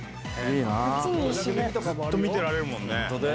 ずっと見てられるもんね。